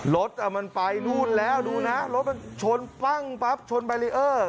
รถมันไปนู่นแล้วดูนะรถมันชนปั้งปั๊บชนบารีเออร์